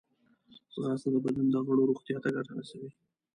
ځغاسته د بدن د غړو روغتیا ته ګټه رسوي